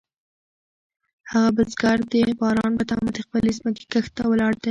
هغه بزګر د باران په تمه د خپلې ځمکې کښت ته ولاړ دی.